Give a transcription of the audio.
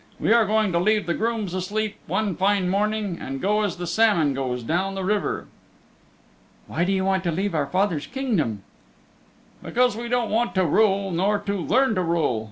We are going to leave the grooms asleep one fine morning, and go as the salmon goes down the river." "Why do you want to leave our father's Kingdom?" "Because we don't want to rule nor to learn to rule.